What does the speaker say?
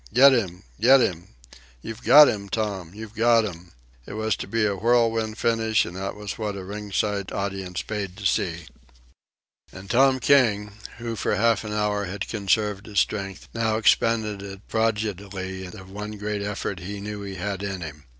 "Get 'im! Get 'im!" "You've got 'im, Tom! You've got 'im!" It was to be a whirlwind finish, and that was what a ringside audience paid to see. And Tom King, who for half an hour had conserved his strength, now expended it prodigally in the one great effort he knew he had in him.